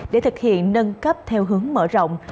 để thực hiện nâng cấp theo hướng mở rộng